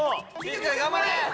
頑張れ！